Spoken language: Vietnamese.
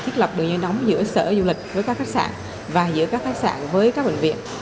thiết lập đường dây nóng giữa sở du lịch với các khách sạn và giữa các khách sạn với các bệnh viện